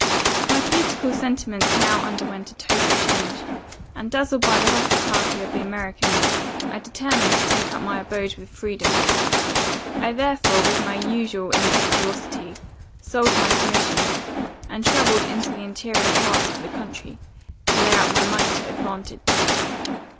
My political sentiments now underwent a total change; and, dazzled by the hospitality of the Americans, I determined to take up my abode with freedom. I, therefore, with my usual impetuosity, sold my commission, and travelled into the interior parts of the country, to lay out my money to advantage.